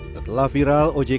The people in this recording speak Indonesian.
setelah viral ojek alamakunis